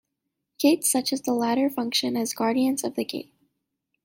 Gates such as the latter functioned as guardians of the gate.